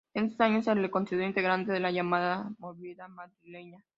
En esos años se lo consideró integrante de la llamada "movida madrileña".